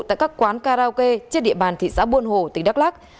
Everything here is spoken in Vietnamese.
tại các quán karaoke trên địa bàn thị xã buôn hồ tỉnh đắk lắc